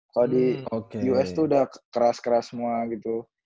kalo di us tuh udah keras keras semua gitu